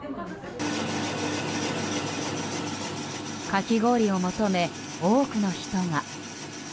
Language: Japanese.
かき氷を求め、多くの人が。